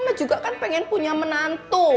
saya juga kan pengen punya menantu